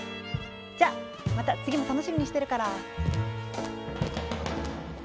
じゃまた次も楽しみにしてるから。